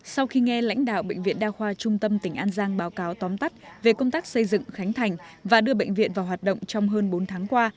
sau khi nghe lãnh đạo bệnh viện đa khoa trung tâm tỉnh an giang báo cáo tóm tắt về công tác xây dựng khánh thành và đưa bệnh viện vào hoạt động trong hơn bốn tháng qua